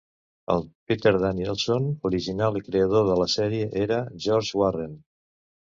El "Peter Danielson" original i el creador de la sèrie era George Warren.